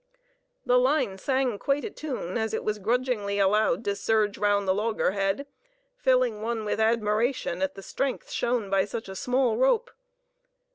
The line sang quite a tune as it was grudgingly allowed to surge round the loggerhead, filling one with admiration at the strength shown by such a small rope.